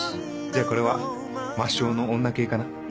じゃあこれは魔性の女系かな。